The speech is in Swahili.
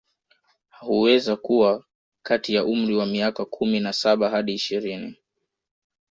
Huweza kuwa kati ya umri wa miaka kumi na saba hadi ishirini